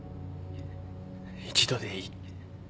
一度でいい。